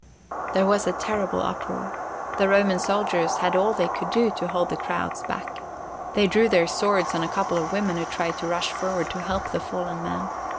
There was a terrible uproar. The Roman soldiers had all they could do to hold the crowds back. They drew their swords on a couple of women who tried to rush forward to help the fallen man.